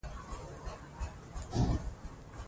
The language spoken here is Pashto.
پښتو لیکل تر عربي لیکلو سخت دي.